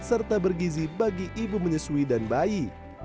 serta bergizi bagi ibu menyusui dan bayi